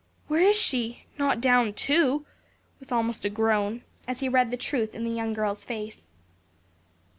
where is she? not down too?" with almost a groan, as he read the truth in the young girl's face.